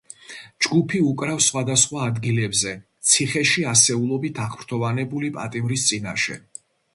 ჯგუფი უკრავს სხვადასხვა ადგილებზე ციხეში ასეულობით აღფრთოვანებული პატიმრის წინაშე.